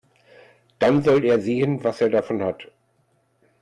Dann soll er sehen, was er davon hat.